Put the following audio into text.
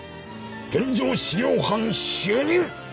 現場資料班主任！